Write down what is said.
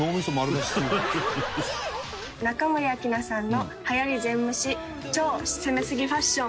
中森明菜さんのはやり全無視超攻めすぎファッション。